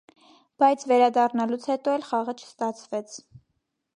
Բայց վերադառնալուց հետո էլ խաղը չստացվեց։